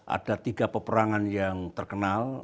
ada tiga peperangan yang terkenal